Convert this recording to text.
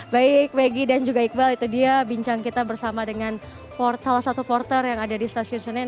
baik maggie dan juga iqbal itu dia bincang kita bersama dengan salah satu porter yang ada di stasiun senen